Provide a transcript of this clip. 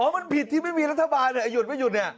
มันผิดที่ไม่มีรัฐบาลหยุดไม่หยุดเนี่ย